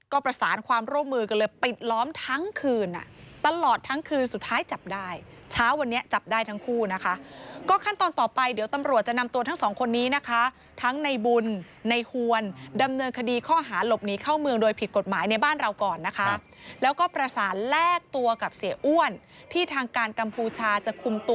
ก็ประสานความร่วมมือกันเลยปิดล้อมทั้งคืนอ่ะตลอดทั้งคืนสุดท้ายจับได้เช้าวันนี้จับได้ทั้งคู่นะคะก็ขั้นตอนต่อไปเดี๋ยวตำรวจจะนำตัวทั้งสองคนนี้นะคะทั้งในบุญในหวนดำเนินคดีข้อหาหลบหนีเข้าเมืองโดยผิดกฎหมายในบ้านเราก่อนนะคะแล้วก็ประสานแลกตัวกับเสียอ้วนที่ทางการกัมพูชาจะคุมตัว